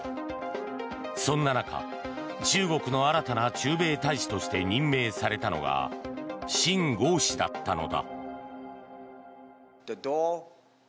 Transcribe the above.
そんな中、中国の新たな駐米大使として任命されたのがシン・ゴウ氏だったのだ。